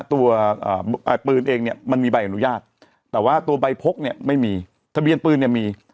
ตัวปืนเองมันมีใบอนุญาตแต่ว่าตัวใบพกไม่มีทะเบียนปืนมี